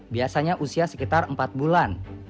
biasanya usia sekitar empat bulan